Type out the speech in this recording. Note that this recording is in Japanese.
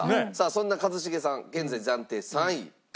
そんな一茂さん現在暫定３位。